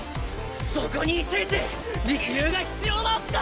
そこにいちいち理由が必要なんすか